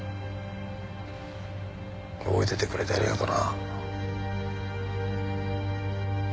覚えていてくれてありがとな。